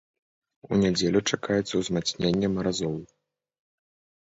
У нядзелю чакаецца ўзмацненне маразоў.